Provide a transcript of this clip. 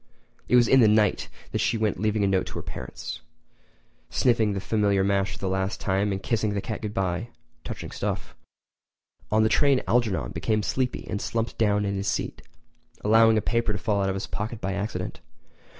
It was in the night that she went leaving a note for her parents, sniffing the familiar mash for the last time, and kissing the cat goodbye—touching stuff! On the train Algernon became sleepy and slumped down in his seat, allowing a paper to fall out of his pocket by accident.